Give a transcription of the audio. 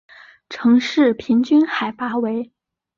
城市平均海拔为。